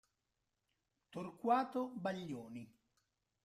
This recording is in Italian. Torquato Baglioni